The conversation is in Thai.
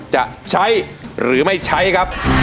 จะใช้หรือไม่ใช้ครับ